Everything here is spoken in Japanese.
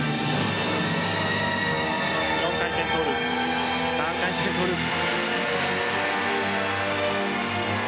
４回転トゥループ３回転トゥループ。